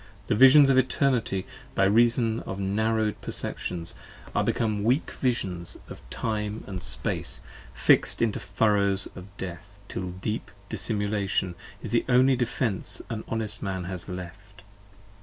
The Visions of Eternity, by reason of narrowed perceptions, Are become weak Visions of Time & Space, fix'd into furrows of death: Till deep dissimulation is the only defence an honest man has left.